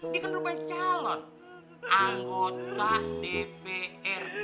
dia kan rupanya calon anggota dprd